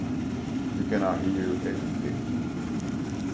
We can not hear anything.